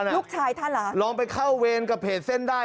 ลูกชายท่านเหรอลองไปเข้าเวรกับเพจเส้นได้